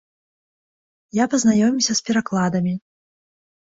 Я пазнаёміўся з перакладамі.